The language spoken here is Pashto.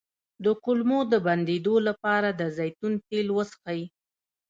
د کولمو د بندیدو لپاره د زیتون تېل وڅښئ